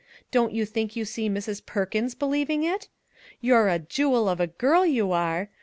Don't you think you see Mrs. Per kins believing it? You're a jewel of a girl, you are